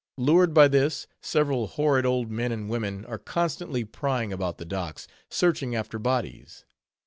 Lured by this, several horrid old men and women are constantly prying about the docks, searching after bodies.